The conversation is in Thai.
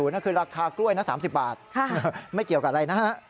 นั่นคือราคากล้วยนะ๓๐บาทไม่เกี่ยวกับอะไรนะฮะ